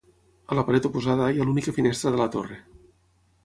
A la paret oposada hi ha l’única finestra de la torre.